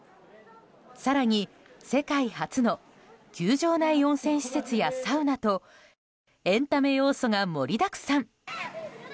更に、世界初の球場内温泉施設やサウナとエンタメ要素が盛りだくさん。